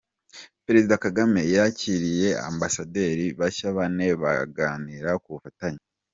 Perezida Kagame yakiriye ba Ambasaderi bashya bane baganira ku bufatanye.